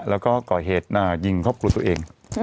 แล้วก็ก่อเหตุอ่ายิงทบกรุษตัวเอง